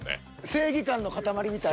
正義感の塊みたいな。